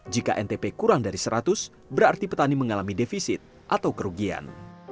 jika ntp kurang dari seratus berarti petani mengalami defisit atau kerugian